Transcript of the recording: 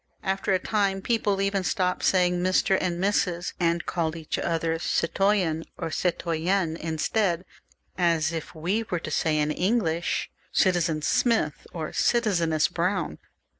After a time people even left off saying Mr. and Mrs., and called each other citoyen or citoyenne instead, as if we were to say in English Citizen Smith, or Citizeness Brown.